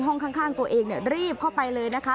ห้องข้างตัวเองรีบเข้าไปเลยนะคะ